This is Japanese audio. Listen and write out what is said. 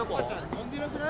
飲んでなくない？